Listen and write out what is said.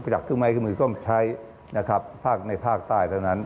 จัดเครื่องไม้ขึ้นมือความใช้ในภาคใต้เท่านั้น